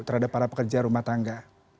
terhadap para pekerja rumah tangga